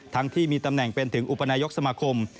ที่มีตำแหน่งเป็นถึงอุปนายกสมาคม